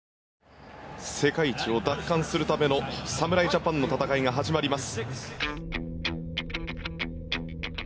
世界一を奪還するための侍ジャパンの戦いが始まります。